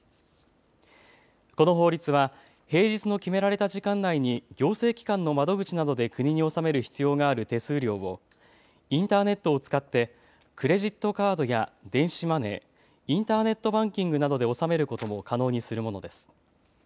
この法律は平日の決められた時間内に行政機関の窓口などで国に納める必要がある手数料をインターネットを使ってクレジットカードや電子マネー、インターネットバンキングなどで納めることも可能にするものです。